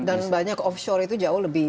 dan banyak off shore itu jauh lebih